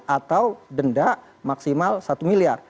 atau denda maksimal satu miliar